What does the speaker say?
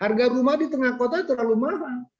harga rumah di tengah kota terlalu mahal